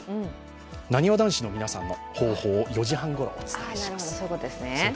なにわ男子の皆さんの方法を４時半ごろお伝えします。